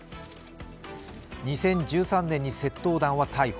２０１３年に窃盗団は逮捕。